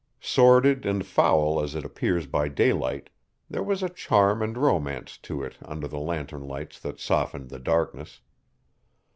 Sordid and foul as it appears by daylight, there was a charm and romance to it under the lantern lights that softened the darkness.